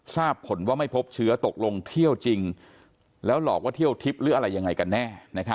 ทราบผลว่าไม่พบเชื้อตกลงเที่ยวจริงแล้วหลอกว่าเที่ยวทิพย์หรืออะไรยังไงกันแน่